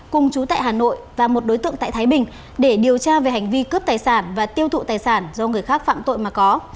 cùng chú tại hà nội và một đối tượng tại thái bình để điều tra về hành vi cướp tài sản và tiêu thụ tài sản do người khác phạm tội mà có